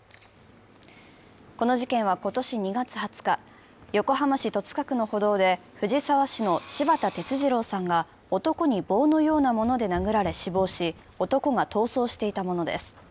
この事件は今年２月２０日、横浜市戸塚区の歩道で藤沢市の柴田哲二郎さんが男に棒のようなもので殴られ死亡し、男が逃走していたものです。